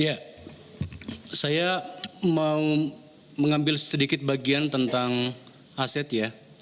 ya saya mau mengambil sedikit bagian tentang aset ya